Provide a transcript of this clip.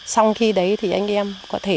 xong khi đấy thì anh em có thể